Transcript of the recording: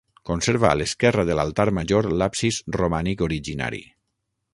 Conserva a l'esquerra de l'altar major l'absis romànic originari.